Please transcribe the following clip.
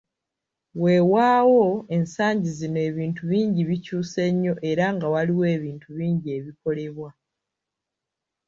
Weewaawo ensangi zino ebintu bingi bikyuse nnyo era nga waliwo ebinti bingi ebikolebwa.